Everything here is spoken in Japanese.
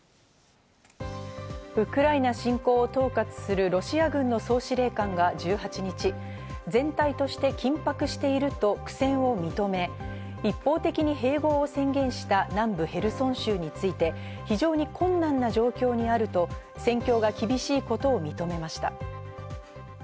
ウクライナ侵攻を統括するロシア軍の総司令官が１８日、全体として緊迫していると苦戦を認め、一方的に併合を宣言した南部ヘルソン州について、非常に困難な状況にあると戦況が厳しいことを認めました。